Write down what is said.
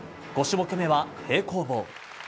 ５種目めは平行棒。